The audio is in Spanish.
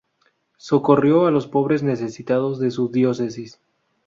Socorrió a los pobres necesitados de su diócesis.